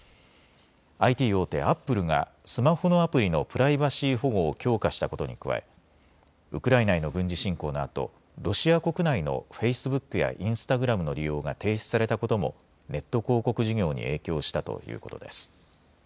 ＩＴ大手、アップルがスマホのアプリのプライバシー保護を強化したことに加えウクライナへの軍事侵攻のあとロシア国内のフェイスブックやインスタグラムの利用が停止されたこともネット広告事業に影響したということです。